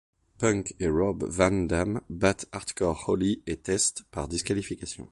Punk & Rob Van Dam battent Hardcore Holly & Test par disqualification.